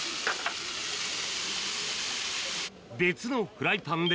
別のフライパンで。